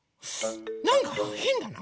なんかへんだな？